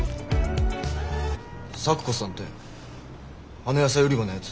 咲子さんってあの野菜売り場の奴